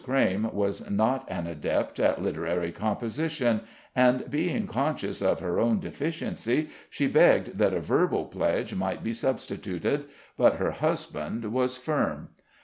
Crayme was not an adept at literary composition, and, being conscious of her own deficiency, she begged that a verbal pledge might be substituted; but her husband was firm.